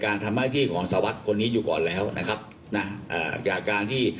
การทำหน้าที่ของสวัสดิ์คนนี้อยู่ก่อนแล้วนะครับนะเอ่อจากการที่